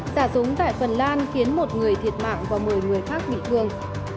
xả súng tại phần lan khiến một người thiệt mạng và một mươi người khác bị thương